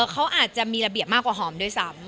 เขาอาจจะมีระเบียบมากกว่าหอมด้วยซ้ำ